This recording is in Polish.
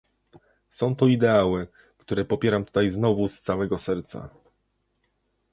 Są to ideały, które popieram tutaj znowu z całego serca